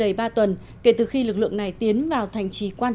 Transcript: trong vòng chưa đầy ba tuần kể từ khi lực lượng này tiến vào thành trí quan trọng của is